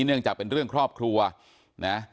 เนื่องจากเป็นเรื่องครอบครัวนะ